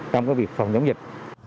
trong cái việc phòng chống dịch